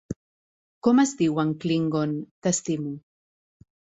Com es diu en klingon 't'estimo'?